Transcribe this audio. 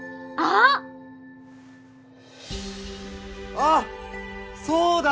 あっそうだ！